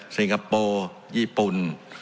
สิงคโปร์ญี่ปุ่น